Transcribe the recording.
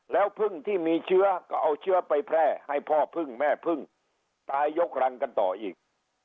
แล้วพึ่งที่มีเชื้อก็เอาเชื้อไปแพร่ให้พ่อพึ่งแม่พึ่งตายยกรังกันต่ออีก